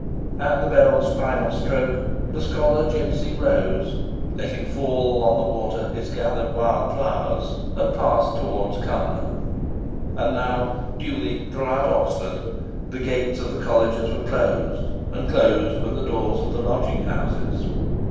At the bell's final stroke, the Scholar Gipsy rose, letting fall on the water his gathered wild flowers, and passed towards Cumnor. And now, duly, throughout Oxford, the gates of the Colleges were closed, and closed were the doors of the lodging houses.